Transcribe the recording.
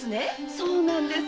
そうなんです。